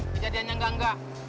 kejadian yang gangga